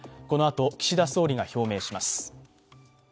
このあと岸田総理が表明します。